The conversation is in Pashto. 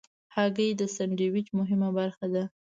هګۍ د سندویچ مهمه برخه ده.